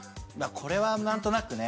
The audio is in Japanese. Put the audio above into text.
これはなんとなくね。